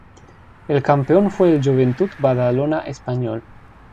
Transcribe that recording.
El campeón fue el Joventut Badalona español.